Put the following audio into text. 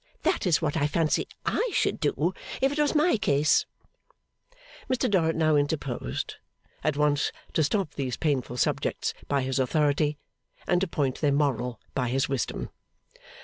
That is what I fancy I should do, if it was my case.' Mr Dorrit now interposed, at once to stop these painful subjects by his authority, and to point their moral by his wisdom.